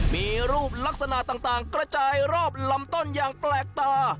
มีรูปลักษณะต่างกระจายรอบลำต้นอย่างแปลกตา